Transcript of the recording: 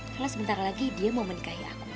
karena sebentar lagi dia mau menikahi aku